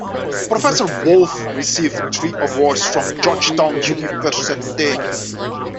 Professor Wolff received three awards from Georgetown University.